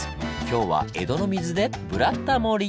今日は江戸の水で「ブラタモリ」！